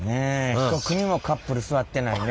一組もカップル座ってないね。